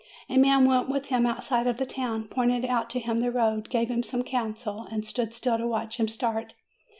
A man went with him outside of the town, pointed out to him the road, gave him some counsel, and stood still to watch him start.